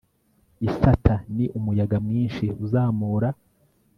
isata ni umuyaga mwinshi uzamura